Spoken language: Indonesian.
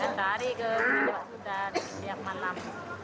dia antari ke sukan setiap malam